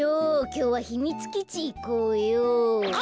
きょうはひみつきちいこうよ。